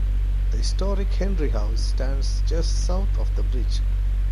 The historic Henry House stands just south of the bridge.